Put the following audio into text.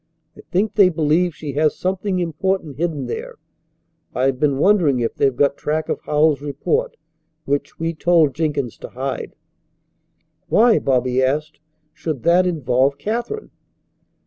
I think they believe she has something important hidden there. I've been wondering if they've got track of Howells's report which we told Jenkins to hide." "Why," Bobby asked, "should that involve Katherine?"